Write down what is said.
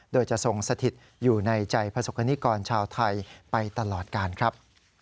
โดยจะทรงสถิตอยู่ในใจประสบคณิกรชาวไทยไปตลอดกาลครับ